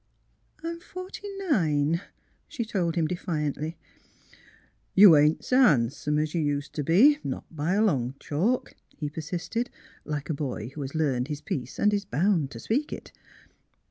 ''I'm forty nine," she told him, defiantly. *' You ain't so han'some as you ust t' be, not by a long chalk," he persisted, like a boy who has learned his piece and is bound to speak it.